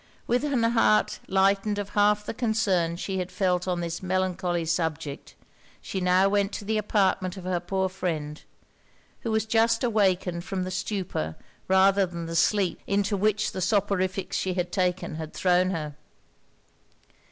With an heart lightened of half the concern she had felt on this melancholy subject, she now went to the apartment of her poor friend, who was just awakened from the stupor rather than the sleep into which the soporifics she had taken had thrown her.